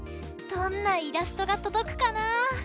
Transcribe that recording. どんなイラストがとどくかな？